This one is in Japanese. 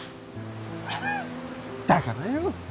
だからよ。